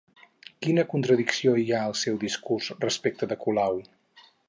Quina contradicció hi ha al seu discurs respecte de Colau?